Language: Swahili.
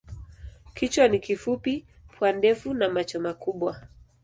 Kichwa ni kifupi, pua ndefu na macho makubwa.